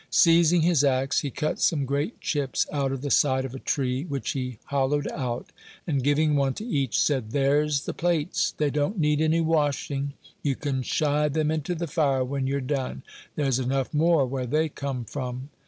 Seizing his axe, he cut some great chips out of the side of a tree, which he hollowed out, and giving one to each, said, "There's the plates; they don't need any washing; you can shie them into the fire when you're done; there's enough more where they come from."